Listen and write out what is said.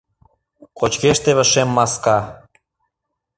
Кочкеш теве шем маска.